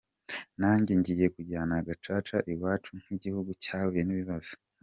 Nanjye ngiye kujyana Gacaca iwacu nk’igihugu cyahuye n’ibibazo".